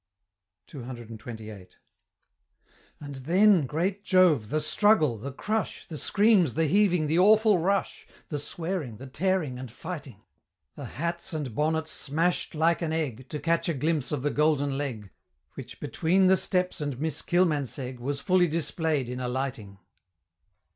CCXXVIII. And then Great Jove! the struggle, the crush, The screams, the heaving, the awful rush, The swearing, the tearing, and fighting, The hats and bonnets smash'd like an egg To catch a glimpse of the Golden Leg, Which, between the steps and Miss Kilmansegg, Was fully display'd in alighting!